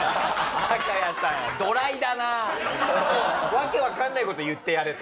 訳わかんない事言ってやれと。